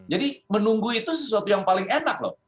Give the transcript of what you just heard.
jadi menunggu itu sesuatu yang paling enak loh